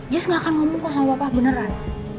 jess gak akan ngomong sama bapak beneran